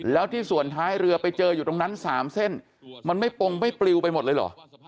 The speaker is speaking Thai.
แล้วที่ส่วนท้ายเรือไปเจออยู่ตรงนั้น๓เส้นมันไม่ปงไม่ปลิวไปหมดเลยเหรอ